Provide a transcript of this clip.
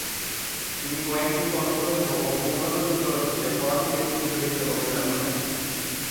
তিনি কয়েকটি স্বল্পদৈর্ঘ্য ও পূর্ণদৈর্ঘ্য চলচ্চিত্রে ফরাসি ব্যক্তির চরিত্রে অভিনয় করেন।